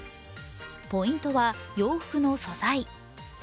ポイントは洋服の素材。